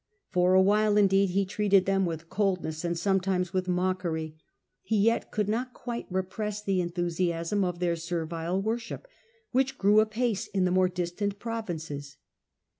For awhile, indeed, he treated them with coldness and sometimes with mockery, he yet could not quite repress the enthusiasm of their servile worship, which grew apace in the more distant provinces.